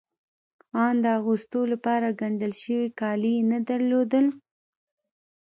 آن د اغوستو لپاره ګنډل شوي کالي يې نه درلودل.